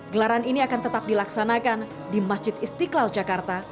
gelaran ini akan tetap dilaksanakan di masjid istiqlal jakarta